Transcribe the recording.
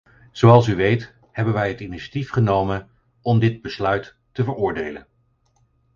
Zoals u weet hebben wij het initiatief genomen om dit besluit te veroordelen.